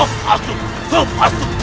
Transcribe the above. tapi rasigun aku harus membantu